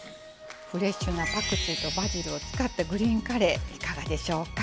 フレッシュなパクチーとバジルを使ったグリーンカレーいかがでしょうか。